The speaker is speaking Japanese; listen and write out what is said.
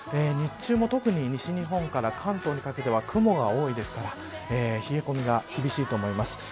日中も特に西日本から関東にかけては雲が多いですから冷え込みが厳しいと思います。